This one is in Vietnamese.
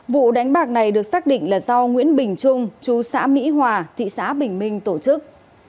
vụ đánh bạc này được xác định là do nguyễn bình trung chú xã mỹ hòa thị xã bình minh tổ chức